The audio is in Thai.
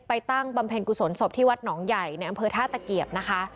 ตั้งบำเพ็ญกุศลศพที่วัดหนองใหญ่ในอำเภอท่าตะเกียบนะคะ